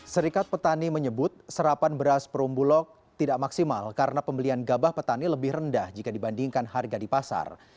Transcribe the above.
serikat petani menyebut serapan beras perumbulok tidak maksimal karena pembelian gabah petani lebih rendah jika dibandingkan harga di pasar